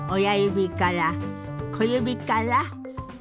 親指から小指から。